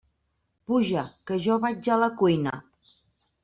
Puja, que jo vaig a la cuina.